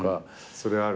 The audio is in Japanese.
それある。